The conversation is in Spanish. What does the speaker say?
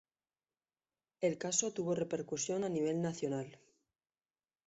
El caso tuvo repercusión a nivel nacional.